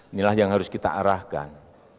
inilah yang harus kita arahkan